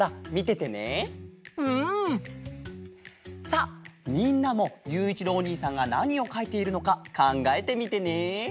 さあみんなもゆういちろうおにいさんがなにをかいているのかかんがえてみてね！